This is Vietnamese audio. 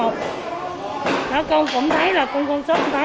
con cũng thấy là con con sót cũng thấy